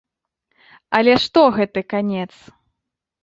Але што гэты канец?